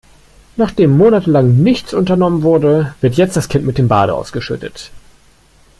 Nachdem monatelang nichts unternommen wurde, wird jetzt das Kind mit dem Bade ausgeschüttet.